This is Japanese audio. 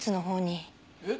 えっ？